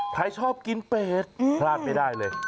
ใครชอบกินเป็ดพลาดไม่ได้เลย